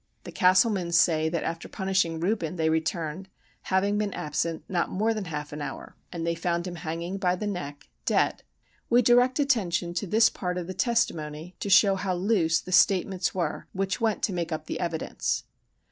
The Castlemans say that, after punishing Reuben, they returned, having been absent not more than half an hour, and they found him hanging by the neck, dead. We direct attention to this part of the testimony, to show how loose the statements were which went to make up the evidence.